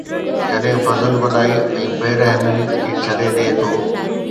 جڏهن فضل وڏائي ۽ بي رحمي کي ڇڏي ڏئي ٿو